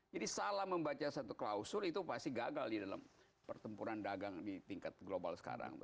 jadi salah membaca satu klausul itu pasti gagal di dalam pertempuran dagang di tingkat global sekarang